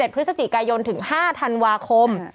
พฤศจิกายนถึง๕ธันวาคม